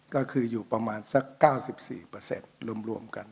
ก็คืออยู่ประมาณสัก๙๔รวมกัน